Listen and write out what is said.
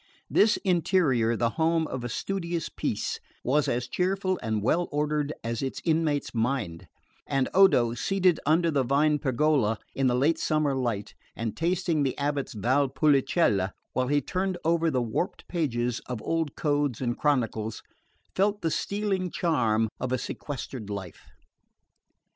This interior, the home of studious peace, was as cheerful and well ordered as its inmate's mind; and Odo, seated under the vine pergola in the late summer light, and tasting the abate's Val Pulicella while he turned over the warped pages of old codes and chronicles, felt the stealing charm of a sequestered life.